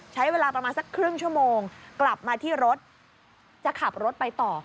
ใช้เวลาประมาณสักครึ่งชั่วโมงกลับมาที่รถจะขับรถไปต่อ